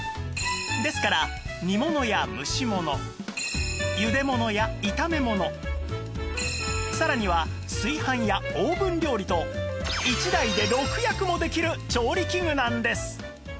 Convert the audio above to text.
ですから煮物や蒸し物ゆで物や炒め物さらには炊飯やオーブン料理と１台で６役もできる調理器具なんです！